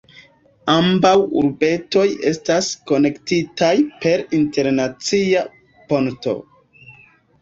Ambaŭ urbetoj estas konektitaj per internacia ponto.